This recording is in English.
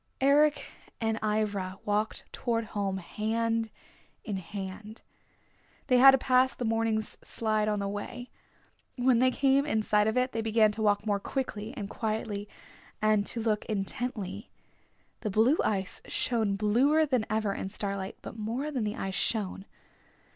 Eric and Ivra walked toward home hand in hand. They had to pass the morning's slide on the way. When they came in sight of it they began to walk more quickly and quietly and to look intently. The blue ice shone bluer than ever in starlight, but more than the ice shone.